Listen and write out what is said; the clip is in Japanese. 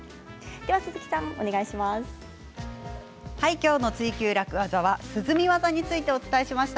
今日の「ツイＱ楽ワザ」は涼み技についてお伝えしました。